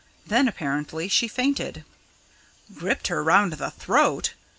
Then, apparently, she fainted." "Gripped her round the throat!